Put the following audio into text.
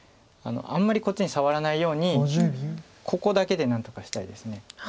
あんまりこっちに触らないようにここだけで何とかしたいです。